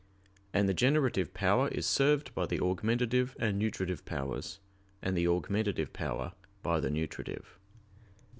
And the generative power is served by the augmentative and nutritive powers; and the augmentative power by the nutritive.